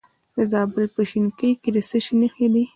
د زابل په شینکۍ کې د څه شي نښې دي؟